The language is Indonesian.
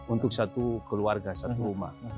untuk satu keluarga satu rumah